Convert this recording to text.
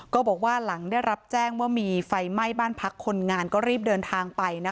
ก็บอกว่าหลังได้รับแจ้งว่ามีไฟไหม้บ้านพักคนงานก็รีบเดินทางไป